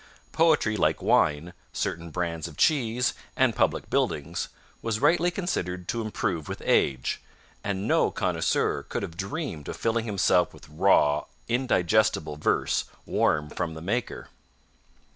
Poetry, like wine, certain brands of cheese, and public buildings, was rightly considered to improve with age; and no connoisseur could have dreamed of filling himself with raw, indigestible verse, warm from the maker.